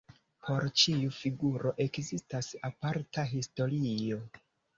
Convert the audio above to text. Por ĉiu figuro ekzistas aparta historio.